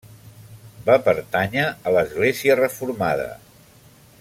Va pertànyer a l'església reformada.